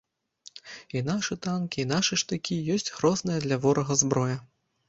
І нашы танкі, і нашы штыкі ёсць грозная для ворага зброя.